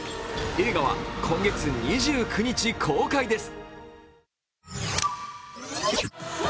映画は今月２９日公開です。